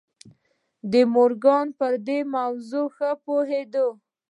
مورګان پر دې موضوع ښه پوهېده.